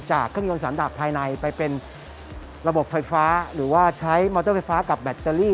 เครื่องยนสารดับภายในไปเป็นระบบไฟฟ้าหรือว่าใช้มอเตอร์ไฟฟ้ากับแบตเตอรี่